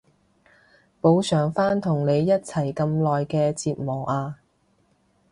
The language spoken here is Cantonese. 補償返同你一齊咁耐嘅折磨啊